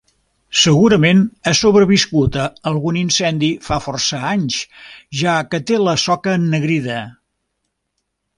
Segurament ha sobreviscut a algun incendi fa força anys, ja que té la soca ennegrida.